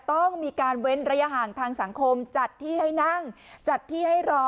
ต้องมีการเว้นระยะห่างทางสังคมจัดที่ให้นั่งจัดที่ให้รอ